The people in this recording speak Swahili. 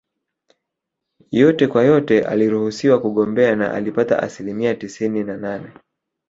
Yote kwa yote aliruhusiwa kugombea na alipata asilimia tisini na nane